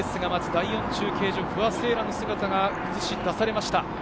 エースが待つ第４中継所、不破聖衣来の姿が映し出されました。